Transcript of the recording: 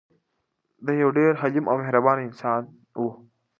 دی یو ډېر حلیم او مهربان انسان و.